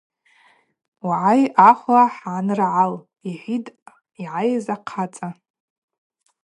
Угӏай, ахвла хӏаныргӏал, – йхӏвитӏ йгӏайдыз ахъацӏа.